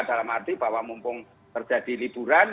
dalam arti bahwa mumpung terjadi liburan